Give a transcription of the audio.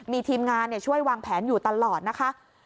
มีทีมงานช่วยวางแผนอยู่ตลอดนะคะ